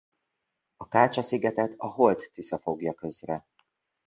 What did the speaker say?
A Kácsa-szigetet a Holt-Tisza fogja közre.